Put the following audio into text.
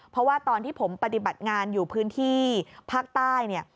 เพราะว่าตอนที่ผมปฏิบัติงานอยู่พื้นที่ภาคใต้เนี่ย